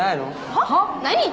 はっ！？